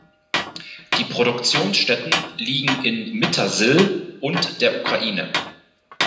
Die Produktionsstätten liegen in Mittersill und der Ukraine.